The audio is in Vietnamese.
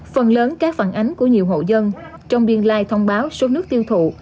phần lớn các phản ánh của nhiều hộ dân trong biên lai thông báo số nước tiêu thụ